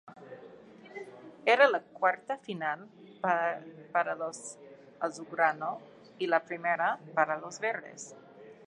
Era la cuarta final para los azulgrana y la primera para los verdes.